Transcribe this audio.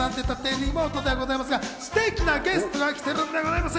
リモートでございますが、ステキなゲストが来ているんでございます。